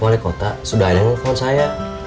wali kota sudah ada yang nge phone saya